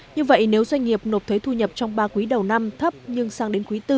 như vậy nếu doanh nghiệp nộp thuế thu nhập trong ba quý đầu năm thấp nhưng sang đến quý bốn